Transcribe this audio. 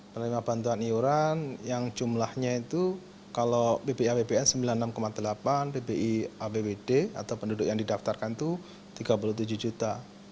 pernahima bantuan yuran yang jumlahnya itu kalau pbi pbn sembilan puluh enam delapan pbi abwd atau penduduk yang didaftarkan itu tiga puluh tujuh juta